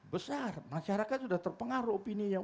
besar masyarakat sudah terpengaruh opini yang